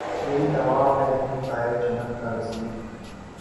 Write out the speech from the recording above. مری نوا میں نہیں طائر چمن کا نصیب